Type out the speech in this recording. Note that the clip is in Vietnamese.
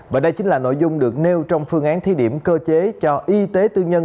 và đây chính là nội dung được nêu trong phương án thi điểm cơ chế cho y tế tư nhân